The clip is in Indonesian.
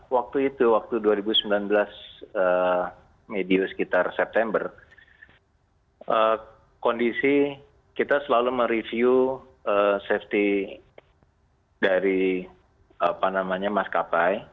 waktu itu waktu dua ribu sembilan belas medio sekitar september kondisi kita selalu mereview safety dari maskapai